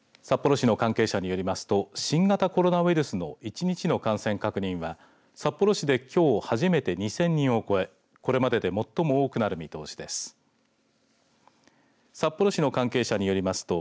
札幌市の関係者によりますと新型コロナウイルスの１日の感染確認は札幌市できょう初めて２０００人を超えこれまでで最も多くなる見通しです。